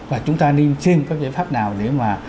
và chúng ta nên xin các giải pháp nào để mà